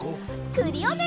クリオネ！